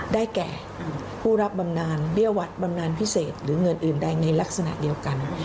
ได้แก่ผู้รับบำนานเบี้ยวัดบำนานพิเศษหรือเงินอื่นใดในลักษณะเดียวกัน